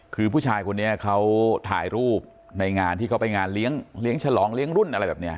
คือผู้ชายคนนี้เขาถ่ายรูปในงานที่เขาไปงานเลี้ยงฉลองเลี้ยงรุ่นอะไรแบบนี้